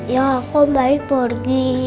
ya om baik pergi